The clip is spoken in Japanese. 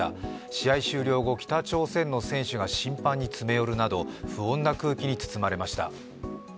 試合終了後、北朝鮮の選手が審判に詰め寄るなど、不穏な空気に包まれました。